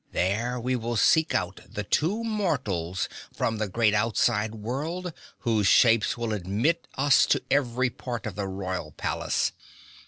There we will seek out the two mortals from the great outside world whose shapes will admit us to every part of the Royal Palace.